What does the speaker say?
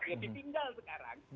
ya ditinggal sekarang